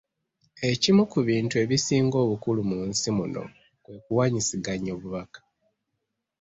Ekimu ku bintu ebisinga obukulu mu nsi muno kwe kuwaanyisiganya obubaka.